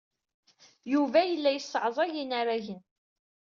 Yuba yella yesseɛẓag inaragen.